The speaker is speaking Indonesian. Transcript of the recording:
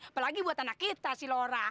apalagi buat anak kita sih laura